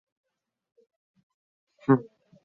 何俊仁将不能透过区议会功能组别参选立法会。